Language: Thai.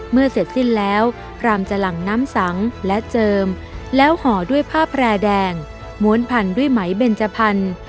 เสร็จสิ้นแล้วพรามจะหลั่งน้ำสังและเจิมแล้วห่อด้วยผ้าแพร่แดงม้วนพันด้วยไหมเบนจพันธุ์